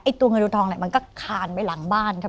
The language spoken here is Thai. ไอ้ตัวเงินดูดทองเนี่ยมันก็คานไปหลังบ้านค่ะ